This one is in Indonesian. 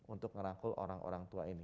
untuk merangkul orang orang tua ini